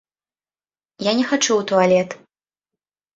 Я не хачу ў туалет.